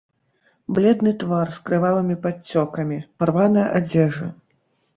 Бледны твар з крывавымі падцёкамі, парваная адзежа.